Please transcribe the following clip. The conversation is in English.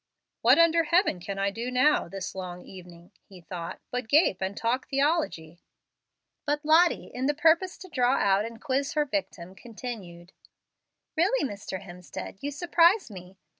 "What under heaven can I now do, this long evening," he thought, "but gape and talk theology?" But Lottie, in the purpose to draw out and quiz her victim, continued: "Really, Mr. Hemstead, you surprise me.